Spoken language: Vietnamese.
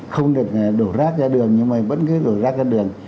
không được đổ rác ra đường nhưng mà vẫn cứ đổ rác ra đường